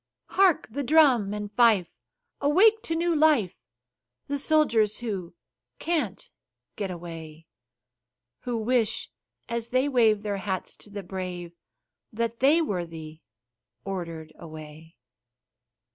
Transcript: Hark! the drum and fife awake to new life The soldiers who "Can't get away;" Who wish, as they wave their hats to the brave, That they were the Ordered away.